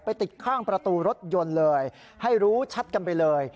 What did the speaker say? ติดข้างประตูรถยนต์เลยให้รู้ชัดกันไปเลย